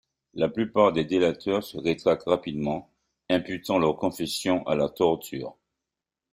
La plupart des délateurs se rétracte rapidement, imputant leur confession à la torture.